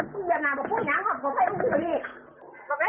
มันเยี่ยมนานกว่าคุณน้ำครับต่อไทยมันคุย